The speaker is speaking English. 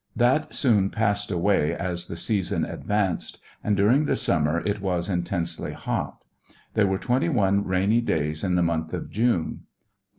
That soon passed away as the season advanced, and during the summer it was intensely hot. There were 21 rainy days in the month of June.